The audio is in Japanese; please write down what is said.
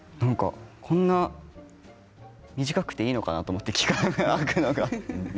こんな短くていいのかな？って期間が空くのが。